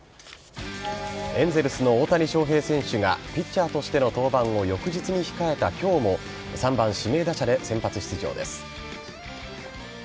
エンゼルスの大谷翔平選手がピッチャーとしての当番を翌日に控えた今日も３番・指名打者で先発出場です。